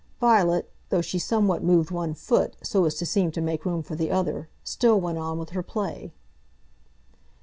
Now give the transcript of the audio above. Violet, though she somewhat moved one foot, so as to seem to make room for the other, still went on with her play.